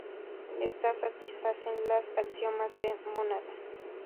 Estas satisfacen los axiomas de mónada.